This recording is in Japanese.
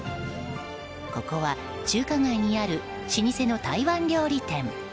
ここは中華街にある老舗の台湾料理店。